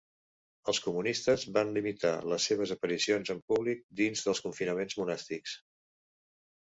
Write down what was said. Els comunistes van limitar les seves aparicions en públic dins dels confinaments monàstics.